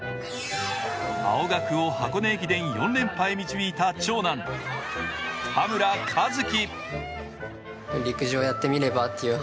青学を箱根駅伝４連覇へ導いた長男・田村和希。